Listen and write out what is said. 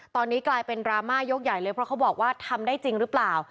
ตอนนี้กลายเป็นดราม่ายกใหญ่เลยเพราะเขาบอกว่าทำได้จริงหรือเปล่า